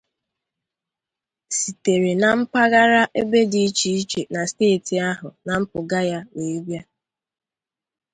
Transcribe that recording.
sitere na mpaghara ebe dị iche iche na steeti ahụ na mpụga ya wee bịa